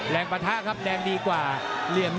เห็ดใหม่